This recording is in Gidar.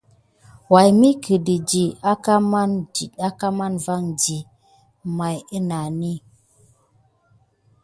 Way mi kədə di əŋgənən ninek vandi? Maw aka ənani.